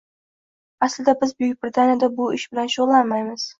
Aslida biz Buyuk Britaniyada bu ish bilan shugʻullanmaymiz